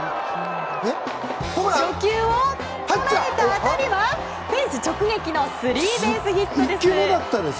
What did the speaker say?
初球を捉えた当たりはフェンス直撃のスリーベースヒットです。